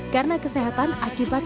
karena kesehatan akibat